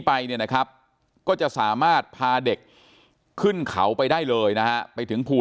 ไปเนี่ยนะครับก็จะสามารถพาเด็กขึ้นเขาไปได้เลยนะฮะไปถึงภู